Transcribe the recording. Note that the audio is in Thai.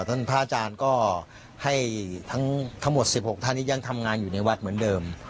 ท่านพระอาจารย์ก็ให้ทั้งหมด๑๖ท่านนี้ยังทำงานอยู่ในวัดเหมือนเดิม